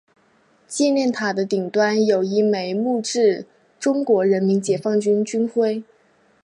纪念塔的顶端有一枚木质中国人民解放军军徽。